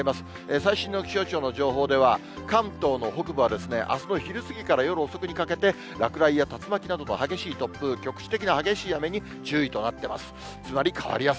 最新の気象庁の情報では、関東の北部はあすの昼過ぎから夜遅くにかけて、落雷や竜巻などの激しい突風、局地的な激しい雨に注意となっています。